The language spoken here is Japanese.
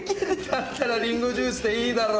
だったらリンゴジュースでいいだろ！